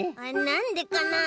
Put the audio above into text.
なんでかな？